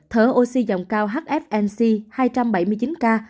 thở oxy dòng cao hfnc hai trăm bảy mươi chín ca